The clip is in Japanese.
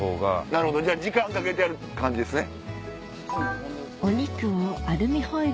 なるほどじゃあ時間かけてやる感じですね。